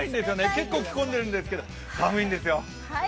結構、着込んでるんですけど寒いんですよ。